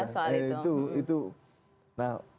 soal itu nah